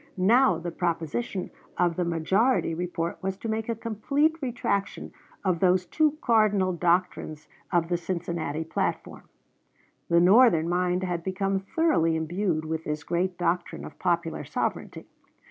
Now the proposition of the majority report was to make a complete retraction of those two cardinal doctrines of the Cincinnati platform. The Northern mind had become thoroughly imbued with this great doctrine of popular sovereignty.